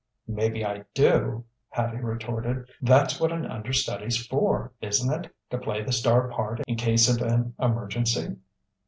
"Maybe I do," Hattie retorted. "That's what an understudy's for, isn't it to play the star part in case of an emergency?"